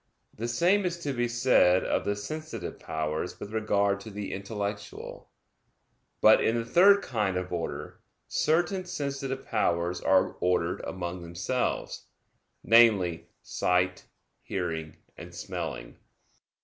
The same is to be said of the sensitive powers with regard to the intellectual. But in the third kind of order, certain sensitive powers are ordered among themselves, namely, sight, hearing, and smelling.